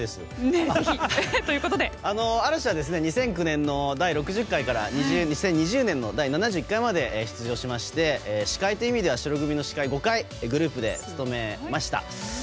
嵐は２００９年の第６０回から２０２０年の第７１回まで出場しまして司会という意味では白組の司会を５回グループで務めました。